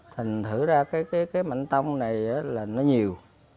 thành thử ra cái mạnh tông này là nó nhiều